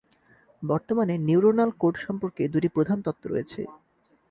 বর্তমানে, neuronal code সম্পর্কে দুটি প্রধান তত্ত্ব রয়েছে।